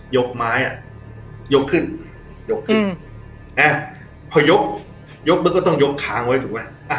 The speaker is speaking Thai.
ยกไม้อ่ะยกขึ้นยกขึ้นพอยกยกมันก็ต้องยกค้างไว้ถูกไหม